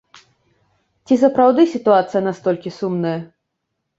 Ці сапраўды сітуацыя настолькі сумная?